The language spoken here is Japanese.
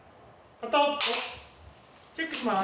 カットチェックします